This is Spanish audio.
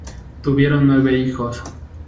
Tuvieron nueve hijos.